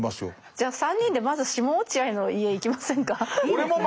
じゃあ３人でまず下落合の家行きませんか。